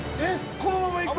このまま行く？